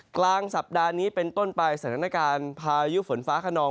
กลางสัปดาห์นี้เป็นต้นไปสถานการณ์พายุฝนฟ้าขนอง